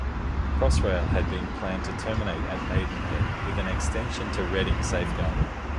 Crossrail had been planned to terminate at Maidenhead, with an extension to Reading safeguarded.